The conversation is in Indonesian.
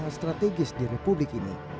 dan strategis di republik ini